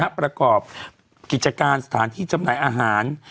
ประกอบกิจการสถานที่จำหน่ายอาหาร